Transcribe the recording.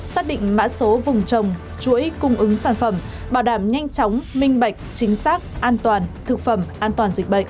xác định mã số vùng trồng chuỗi cung ứng sản phẩm bảo đảm nhanh chóng minh bạch chính xác an toàn thực phẩm an toàn dịch bệnh